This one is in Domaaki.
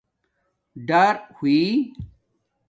ڈار ہوئ